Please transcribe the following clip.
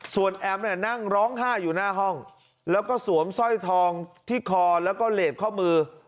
ส่วนแอมนั่งร้องไห้อยู่หน้าห้องแล้วก็สวมสร้อยทองที่คอแล้วก็เลสข้อมือ